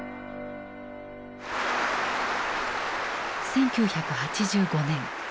１９８５年。